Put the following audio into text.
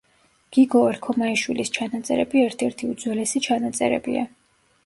გიგო ერქომაიშვილის ჩანაწერები ერთ-ერთი უძველესი ჩანაწერებია.